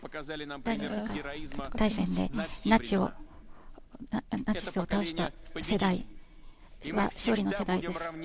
第二次世界大戦でナチスを倒した世代は勝利の世代です。